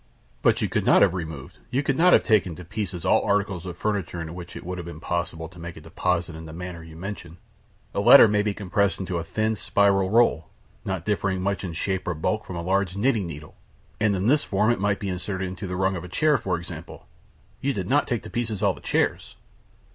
"But you could not have removed you could not have taken to pieces all articles of furniture in which it would have been possible to make a deposit in the manner you mention. A letter may be compressed into a thin spiral roll, not differing much in shape or bulk from a large knitting needle, and in this form it might be inserted into the rung of a chair, for example. You did not take to pieces all the chairs?"